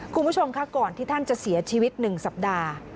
คุณผู้ชมค่ะก่อนที่ท่านจะเสียชีวิต๑สัปดาห์